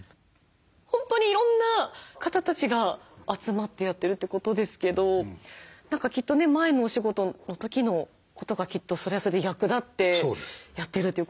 本当にいろんな方たちが集まってやってるってことですけど何かきっとね前のお仕事の時のことがきっとそれはそれで役立ってやっているということで。